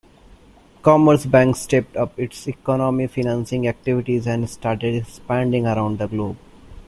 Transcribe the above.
Commerzbank stepped up its economic financing activities and started expanding around the globe.